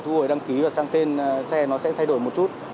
thu hồi đăng ký và sang tên xe nó sẽ thay đổi một chút